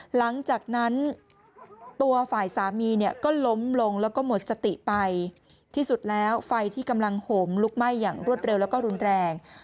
หลังจากนั้นตัวฝ่ายสามีเนี่ยก็ล้มลงแล้วก็หมดสติไปที่สุดแล้วไฟที่กำลังห่มลุกไหม้อย่างรวดเร็วแล้วก็รุนแรง